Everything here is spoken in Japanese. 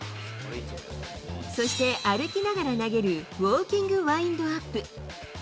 そして、歩きながら投げる、ウォーキングワインドアップ。